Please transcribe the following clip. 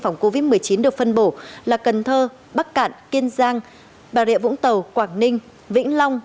phòng covid một mươi chín được phân bổ là cần thơ bắc cạn kiên giang bà rịa vũng tàu quảng ninh vĩnh long